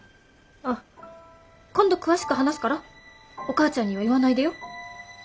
あっ今度詳しく話すからお母ちゃんには言わないでよ。